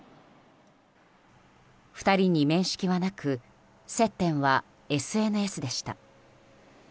２人に面識はなく接点はＳＮＳでした。